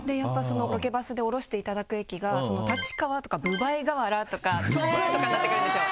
ロケバスで降ろしていただく駅が立川とか分倍河原とか調布とかになってくるんですよ。